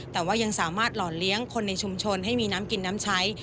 แต่ว่ายังสามารถหล่อเลี้ยงคนในชุมชนให้มีน้ำกินน้ำใช้